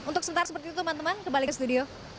untuk sementara seperti itu teman teman kembali ke studio